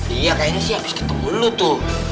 iya kayaknya sih habis ketemu dulu tuh